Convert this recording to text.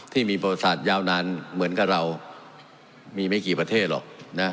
ที่มีประวัติศาสตร์ยาวนานเหมือนกับเรามีไม่กี่ประเทศหรอกนะ